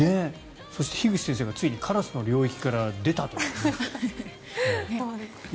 そして樋口先生がついにカラスの領域から出たという。